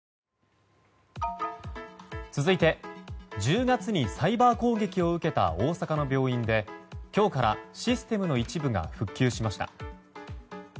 続いて１０月にサイバー攻撃を受けた大阪の病院で今日からシステムの一部が復旧しました。